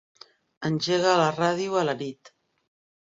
Engega la ràdio a la nit.